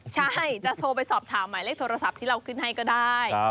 ใช่จะโทรไปสอบถามหมายเลขโทรศัพท์ที่เราขึ้นให้ก็ได้